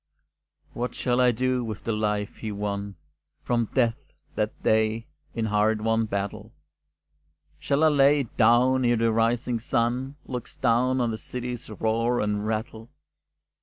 What shall I do with the life he won, From death that day, in a hard won battle? Shall I lay it down e'er the rising sun Looks down on the city's roar and rattle?